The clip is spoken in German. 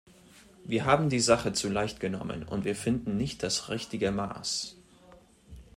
Wir haben die Sache zu leicht genommen, und wir finden nicht das richtige Maß.